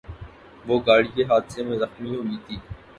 وہ گاڑی کے حادثے میں زخمی ہوئی تھی